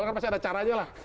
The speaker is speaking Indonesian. karena pasti ada caranya lah